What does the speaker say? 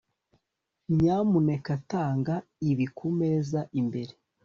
nyamuneka tanga ibi kumeza imbere